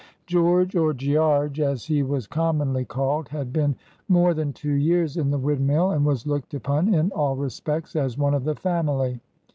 George, or Gearge as he was commonly called, had been more than two years in the windmill, and was looked upon in all respects as "one of the family."